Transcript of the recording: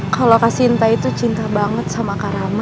kalau kak sinta itu cinta banget sama kak rama